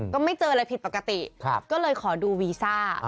ก็ไม่เจออะไรผิดปกติก็เลยขอดูวีซ่า